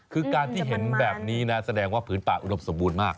คือการที่เห็นแบบนี้นะแสดงว่าผืนป่าอุดมสมบูรณ์มาก